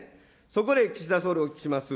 そこで岸田総理、お聞きします。